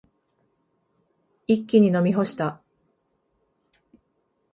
一気に飲み干した。